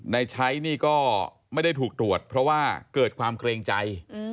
ใช้นี่ก็ไม่ได้ถูกตรวจเพราะว่าเกิดความเกรงใจ